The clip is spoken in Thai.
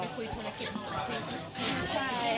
นี่ความแบบจะไปคุยธุรกิจมากเลยใช่ไหม